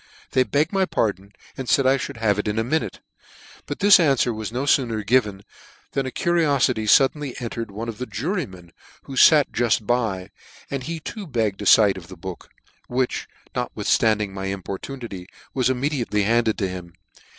They begged my par " don, and faid I fhould have it in a minute ," but this anfwer was no fooner given, than a " curiofity fuddenly entered one of the jurymen " who fat juft by, and he too begged a fight of <c the book , which, notwithstanding my impqr (( tunity, was immediately handed to him.